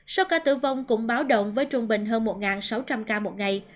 số ca tử vong cũng báo động với trung bình hơn một sáu trăm linh ca một ngày